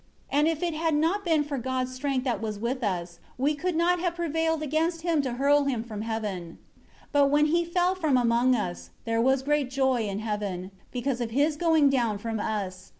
And if it had not been for God's strength that was with us, we could not have prevailed against him to hurl him from heaven. 13 But when he fell from among us, there was great joy in heaven, because of his going down from us.